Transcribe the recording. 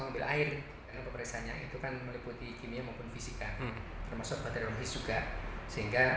mengambil air dan periksaannya itu kan meliputi kimia maupun fisika termasuk baterai juga sehingga